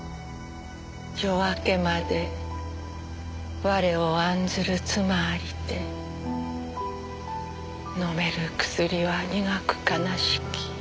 「夜明けまでわれを案ずる妻ありて飲める薬は苦く悲しき」